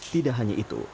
tidak hanya itu